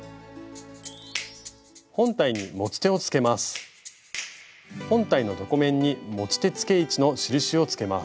本体の床面に持ち手つけ位置の印をつけます。